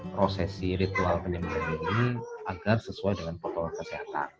prosesi ritual penyembuhan ini agar sesuai dengan protokol kesehatan